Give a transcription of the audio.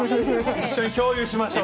一緒に共有しましょう。